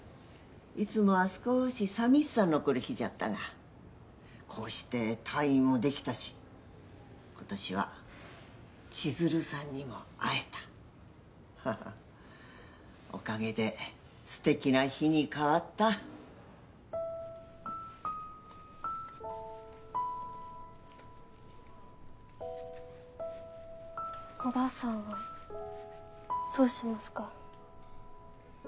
いつもは少しさみしさの残る日じゃったがこうして退院もできたし今年は千鶴さんにも会えたハハッおかげですてきな日に変わったおばあさんはどうしますか？